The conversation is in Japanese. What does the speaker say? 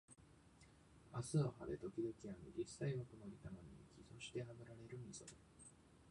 明日は晴れ、時々雨、実際は曇り、たまに雪、そしてハブられるみぞれ